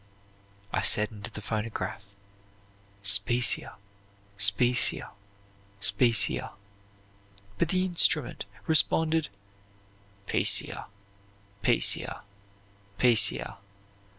I said into the phonograph 'specia, specia, specia,' but the instrument responded 'pecia, pecia, pecia.'